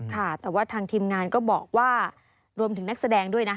ค่ะแต่ว่าทางทีมงานก็บอกว่ารวมถึงนักแสดงด้วยนะ